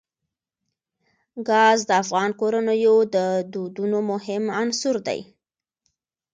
ګاز د افغان کورنیو د دودونو مهم عنصر دی.